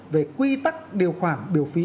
về quy tắc điều khoản biểu phí